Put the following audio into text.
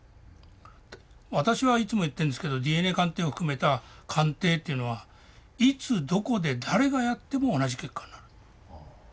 私はいつも言ってるんですけどＤＮＡ鑑定を含めた鑑定っていうのはいつどこで誰がやっても同じ結果になる。